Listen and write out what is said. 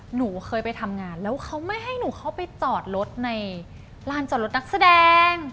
หนูเคยไปทำงานแล้วเขาไม่ให้หนูเข้าไปจอดรถในร้านจอดรถนักแสดง